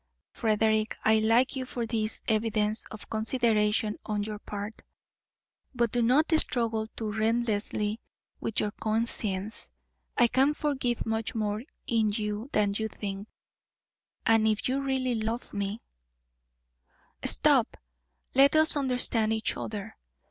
Frederick, I like you for this evidence of consideration on your part, but do not struggle too relentlessly with your conscience. I can forgive much more in you than you think, and if you really love me " "Stop! Let us understand each other."